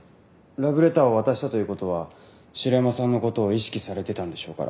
ラブレターを渡したという事は城山さんの事を意識されてたんでしょうから。